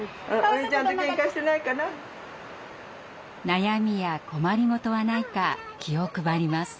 悩みや困り事はないか気を配ります。